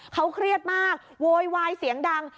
เขาเครียดมากโวยวายเสียงดัง